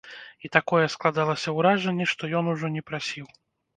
І такое складалася ўражанне, што ён ужо не прасіў.